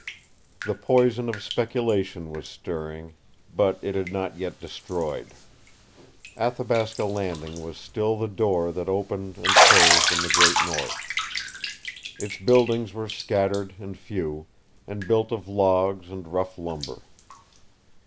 The poison of speculation was stirring, but it had not yet destroyed. Athabasca Landing was still the door that opened and closed on the great North. Its buildings were scattered and few, and built of logs and rough lumber.